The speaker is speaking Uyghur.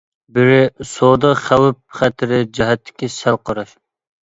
بىرى، سودا خەۋپ-خەتىرى جەھەتتىكى سەل قاراش.